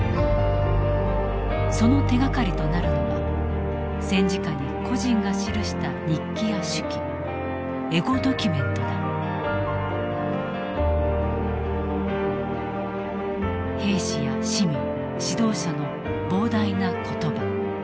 その手がかりとなるのが戦時下に個人が記した日記や手記兵士や市民指導者の膨大な言葉。